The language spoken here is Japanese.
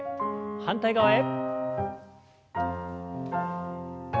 反対側へ。